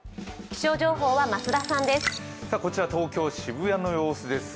気象情報は増田さんです。